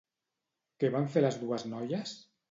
Què van fer les dues noies?